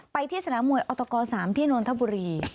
ที่สนามมวยอตก๓ที่นนทบุรี